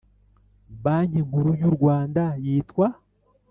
Banki nkuru y u rwanda yitwa